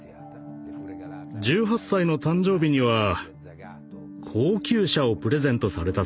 １８歳の誕生日には高級車をプレゼントされたそうです。